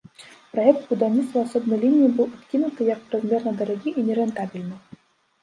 Праект будаўніцтва асобнай лініі быў адкінуты, як празмерна дарагі і нерэнтабельных.